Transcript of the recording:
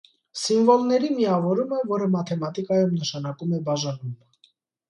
) սիմվոլների միավորումը, որը մաթեմատիկայում նշանակում է բաժանում։